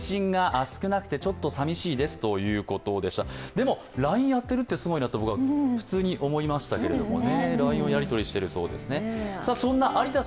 でも、ＬＩＮＥやってるってすごいなって僕は思いましたけどね。